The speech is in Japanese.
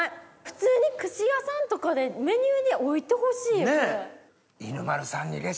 普通に串屋さんとかでメニューに置いてほしいこれ。